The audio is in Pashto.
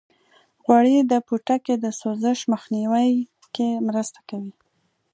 غوړې د پوټکي د سوزش مخنیوي کې مرسته کوي.